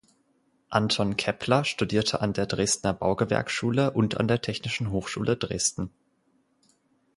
Anton Käppler studierte an der Dresdner Baugewerkschule und an der Technischen Hochschule Dresden.